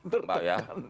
betul pak ya